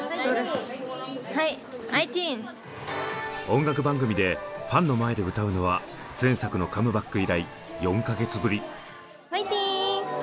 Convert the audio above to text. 音楽番組でファンの前で歌うのは前作のカムバック以来４か月ぶり。